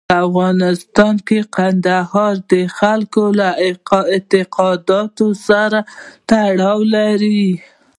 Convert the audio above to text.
په افغانستان کې کندهار د خلکو له اعتقاداتو سره تړاو لري.